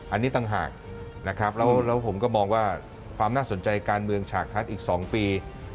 อันนี้ต่างหากนะครับแล้วผมก็มองว่าความน่าสนใจการเมืองฉากทัศน์อีก๒ปี